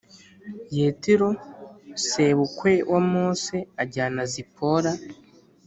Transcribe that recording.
Yetiro sebukwe wa Mose ajyana Zipora